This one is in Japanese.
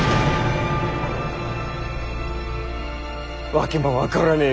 訳も分からねぇ